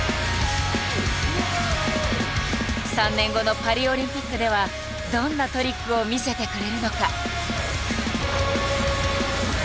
３年後のパリオリンピックではどんなトリックを見せてくれるのか。